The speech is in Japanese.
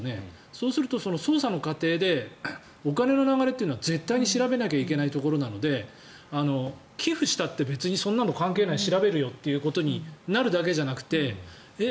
そうすると捜査の過程でお金の流れというのは絶対に調べなきゃいけないところなので寄付したって別にそんなの関係ない調べるよってなるだけじゃなくてえ？